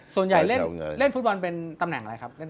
ส่วนใหญ่เล่นฟุตบอลเป็นตำแหน่งอะไรครับ